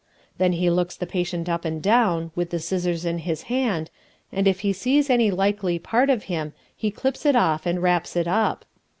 Then he looks the patient up and down, with the scissors in his hand, and if he sees any likely part of him he clips it off and wraps it up.